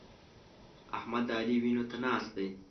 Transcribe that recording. احمد د علي وينو ته ناست دی.